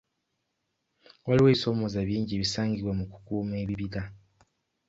Waliwo ebisomooza bingi ebisangibwa mu ku kuuma ebibira.